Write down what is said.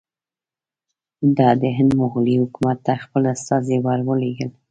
ده د هند مغولي حکومت ته خپل استازي ور ولېږل.